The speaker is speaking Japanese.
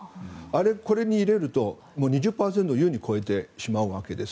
これに入れると２０％を優に超えてしまうわけです。